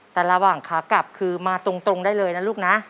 แต่ระหว่างขากลับคือมาตรงได้เลยนะลูกนะ